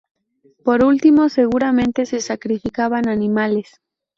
Por último seguramente se sacrificaban animales.